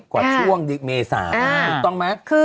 กว่าช่วงเมษาถูกต้องไหม